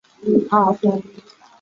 基本体是一种韩文印刷体。